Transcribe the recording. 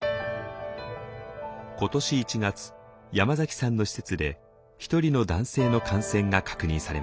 今年１月山崎さんの施設で１人の男性の感染が確認されました。